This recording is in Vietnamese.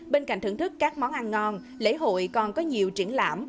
bên cạnh thưởng thức các món ăn ngon lễ hội còn có nhiều triển lãm